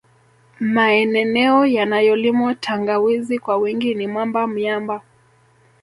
Maeneneo yanayolimwa tangawizi kwa wingi ni Mamba Myamba